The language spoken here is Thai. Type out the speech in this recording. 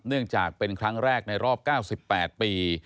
เนื่องจากเป็นครั้งแรกในรอบ๙๘ปี